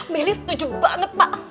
meli setuju banget pak